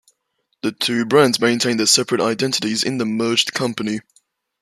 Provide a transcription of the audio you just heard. The two brands maintain their separate identities in the merged company.